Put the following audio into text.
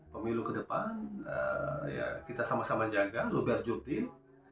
pemilu ke depan kita sama sama jaga lu biar jupin